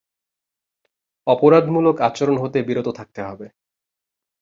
অপরাধমূলক আচরণ হতে বিরত থাকতে হবে।